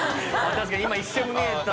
確かに今一瞬見えた。